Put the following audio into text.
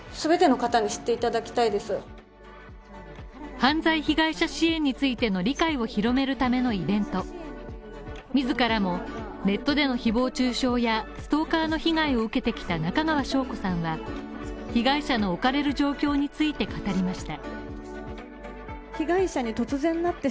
犯罪被害者支援についての理解を広めるためのイベント、自らもネットでの誹謗中傷やストーカーの被害を受けてきた中川翔子さんは、被害者の置かれる状況について語りました。